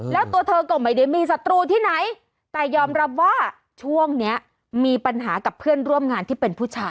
แล้วตัวเธอก็ไม่ได้มีศัตรูที่ไหนแต่ยอมรับว่าช่วงนี้มีปัญหากับเพื่อนร่วมงานที่เป็นผู้ชาย